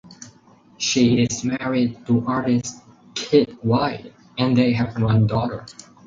She is married to artist Kit White and they have one daughter.